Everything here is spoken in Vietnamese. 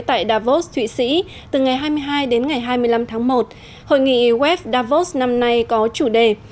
tại davos thụy sĩ từ ngày hai mươi hai đến ngày hai mươi năm tháng một hội nghị wef davos năm nay có chủ đề